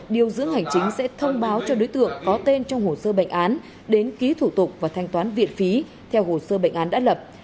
điều dưỡng hành chính sẽ thông báo cho đối tượng có tên trong hồ sơ bệnh án đến ký thủ tục và thanh toán viện phí theo hồ sơ bệnh án đã lập